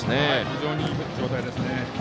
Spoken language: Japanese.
非常にいい状態ですね。